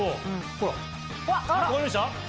ほら分かりました？